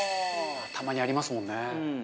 たまにありますもんね。